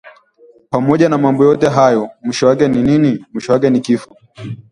Pamoja na mambo yote hayo, mwisho wake ni nini? Mwisho wake ni kifo